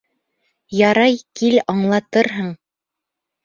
Ярай, кил, аңлатырһың.